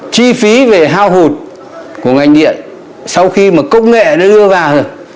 chi phí về hao hụt của ngành điện sau khi mà công nghệ nó đưa vào rồi